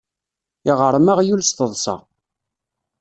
Iɣṛem aɣyul s teḍṣa.